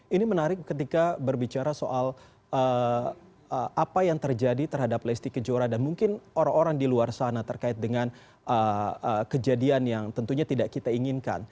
ini menarik ketika berbicara soal apa yang terjadi terhadap lesti kejora dan mungkin orang orang di luar sana terkait dengan kejadian yang tentunya tidak kita inginkan